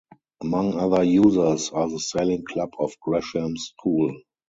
Among other users are the Sailing Club of Gresham's School.